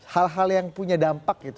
hal hal yang punya dampak gitu